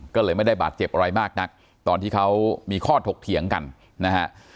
ก็เลยไม่ได้บาดเจ็บอะไรมากนักตอนที่เขามีข้อถกเถียงกันนะฮะ